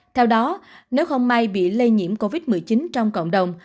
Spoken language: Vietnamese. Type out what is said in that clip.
theo đó nếu không may bị lây nhiễm covid một mươi chín trong cộng đồng